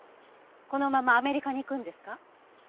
このままアメリカに行くんですか？